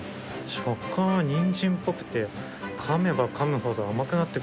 食感はニンジンっぽくて噛めば噛むほど甘くなってくる。